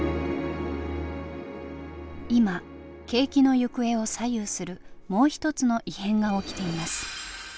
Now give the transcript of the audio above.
今景気の行方を左右するもう一つの異変が起きています。